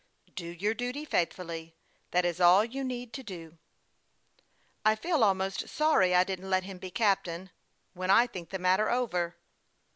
" Do your duty, faithfully ; that is all you need do." " I feel almost sorry I didn't let him be captain, when I think the matter over."